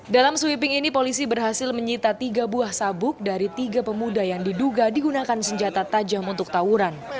dalam sweeping ini polisi berhasil menyita tiga buah sabuk dari tiga pemuda yang diduga digunakan senjata tajam untuk tawuran